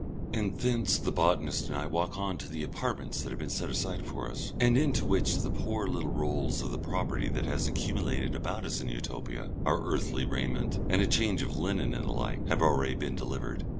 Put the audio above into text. And thence the botanist and I walk on to the apartments that have been set aside for us, and into which the poor little rolls of the property that has accumulated about us in Utopia, our earthly raiment, and a change of linen and the like, have already been delivered.